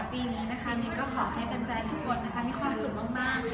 ปีนี้นะคะมินก็ขอให้แฟนทุกคนนะคะมีความสุขมาก